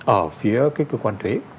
ở phía cái cơ quan thuế